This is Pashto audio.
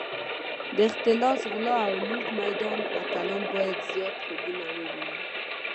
د اختلاس، غلا او لوټ میدان اتلان باید زیات خوبونه وویني.